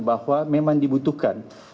bahwa memang kita harus mencari penyelesaian